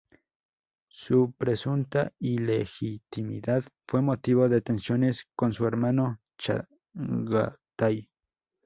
Su presunta ilegitimidad fue motivo de tensiones con su hermano Chagatai.